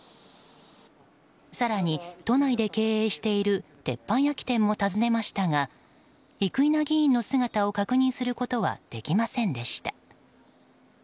更に都内で経営している鉄板焼き店も訪ねましたが生稲議員の姿を確認することはできませんでした。